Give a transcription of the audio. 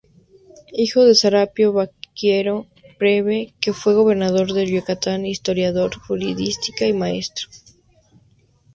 Hijo de Serapio Baqueiro Preve, que fue gobernador de Yucatán, historiador, jurista y maestro.